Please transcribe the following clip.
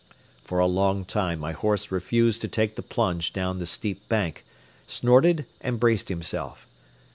For a long time my horse refused to take the plunge down the steep bank, snorted and braced himself.